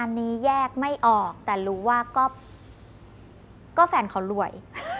อันนี้แยกไม่ออกแต่รู้ว่าก็แฟนเขารวย